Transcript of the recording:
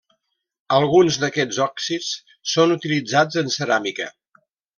Alguns d'aquests òxids són utilitzats en ceràmica.